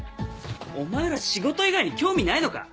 お前ら仕事以外に興味ないのか？